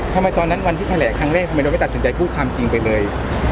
ตอนนั้นวันที่แถลงครั้งแรกทำไมเราไม่ตัดสินใจพูดความจริงไปเลย